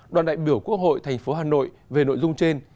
đoàn đại biểu quốc hội tp hà nội về nội dung trên